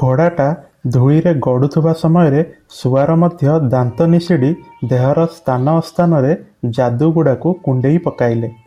ଘୋଡ଼ାଟା ଧୂଳିରେ ଗଡୁଥିବା ସମୟରେ ସୁଆର ମଧ୍ୟ ଦାନ୍ତନିଷିଡ଼ି ଦେହର ସ୍ଥାନ ଅସ୍ଥାନରେ ଯାଦୁଗୁଡ଼ାକୁ କୁଣ୍ତେଇ ପକାଇଲେ ।